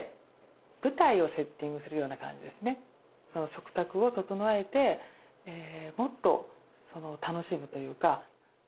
食卓を整えてもっと楽しむというか。